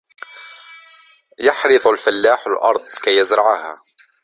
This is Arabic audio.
يَحْرِثُ الفَلّاحُ الْأرْضَ كَيْ يَزْرَعَهَا.